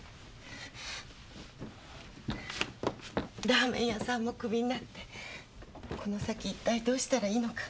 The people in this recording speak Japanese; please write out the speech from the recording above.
ラーメン屋さんもクビになってこの先一体どうしたらいいのか。